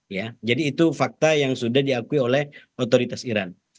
ya jadi itu fakta yang sudah diakui oleh otoritas iran